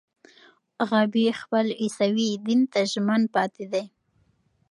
غابي خپل عیسوي دین ته ژمن پاتې دی.